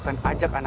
karena dari mana